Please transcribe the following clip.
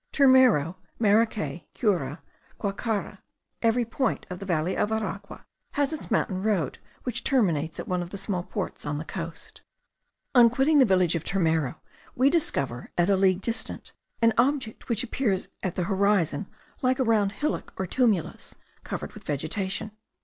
Turmero, Maracay, Cura, Guacara, every point of the valley of Aragua, has its mountain road, which terminates at one of the small ports on the coast. On quitting the village of Turmero, we discover, at a league distant, an object, which appears at the horizon like a round hillock, or tumulus, covered with vegetation.